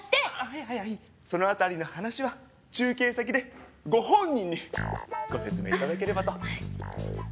はいはいその辺りの話は中継先でご本人にご説明頂ければと。